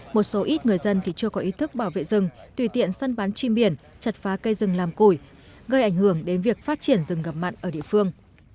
một số ít người dân thì chưa có ý thức bảo vệ rừng tùy tiện săn bán chim biển chặt phá cây rừng làm củi gây ảnh hưởng đến việc phát triển rừng ngập mặn ở địa phương